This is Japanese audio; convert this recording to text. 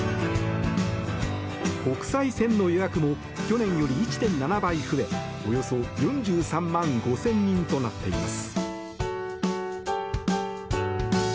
国際線の予約も去年より１．７倍増えおよそ４３万５０００人となっています。